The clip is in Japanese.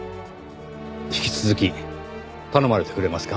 引き続き頼まれてくれますか？